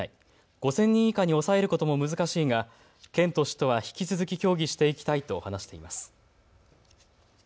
５０００人以下に抑えることも難しいが、県と市は引き続き協議していきたいと話しています。